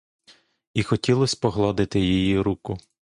І хотілось погладити її руку.